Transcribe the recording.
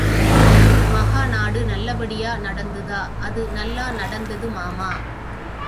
உன் மகாநாடு நல்லபடியா நடந்துதா? அது நல்லா நடந்தது மாமா!